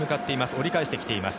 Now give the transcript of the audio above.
折り返してきています。